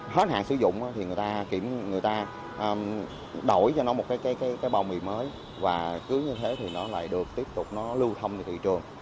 hết hạn sử dụng thì người ta kiểm người ta đổi cho nó một cái bao bì mới và cứ như thế thì nó lại được tiếp tục nó lưu thông ra thị trường